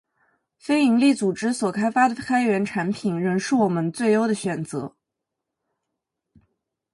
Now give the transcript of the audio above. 非营利组织所开发的开源产品，仍是我们最优的选择